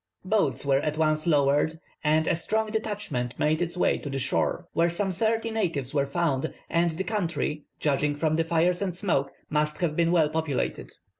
Boats were at once lowered, and a strong detachment made its way to the shore, where some thirty natives were found; and the country, judging from the fires and smoke, must have been well populated.